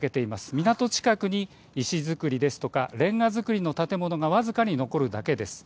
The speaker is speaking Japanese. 港近くに石造りですとかれんが造りの建物が僅かに残るだけです。